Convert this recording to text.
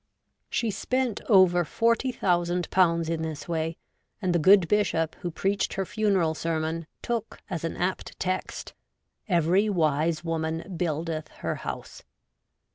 She spent over 40,000/. in this way, and the good bishop who preached her funeral sermon took, as an apt text, ' Every wise woman buildeth her house.'